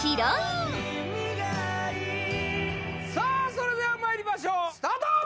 それではまいりましょうスタート！